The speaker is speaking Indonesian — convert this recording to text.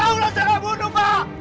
saya tidak membunuh